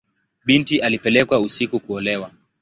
Binti alipelekwa usiku kuolewa.